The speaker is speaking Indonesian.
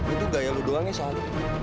itu gaya lu doang ya sal